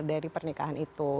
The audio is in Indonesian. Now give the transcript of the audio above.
dari pernikahan itu